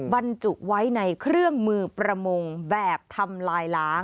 บรรจุไว้ในเครื่องมือประมงแบบทำลายล้าง